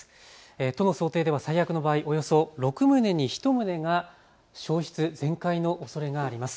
都の想定では最悪の場合、およそ６棟に１棟が焼失、全壊のおそれがあります。